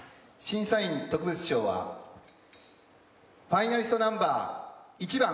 審査員特別賞ファイナリストナンバー１番。